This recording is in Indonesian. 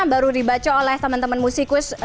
baru dibaca oleh teman teman musikus